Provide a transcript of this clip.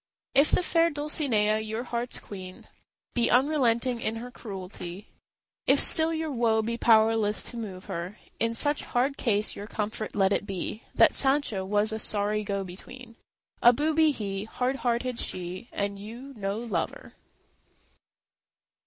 If the fair Dulcinea, your heart's queen, Be unrelenting in her cruelty, If still your woe be powerless to move her, In such hard case your comfort let it be That Sancho was a sorry go between: A booby he, hard hearted she, and you no lover.